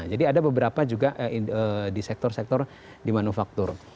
jadi ada beberapa juga di sektor sektor di manufaktur